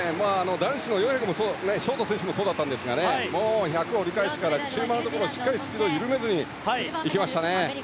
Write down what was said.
男子の４００ｍのショート選手もそうだったんですが１００ｍ折り返しから中盤のところでスピードを緩めずに行きましたね。